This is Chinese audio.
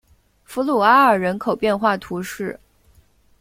弗鲁阿尔人口变化图示